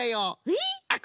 えっ？